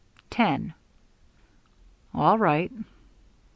"Ten." "All right."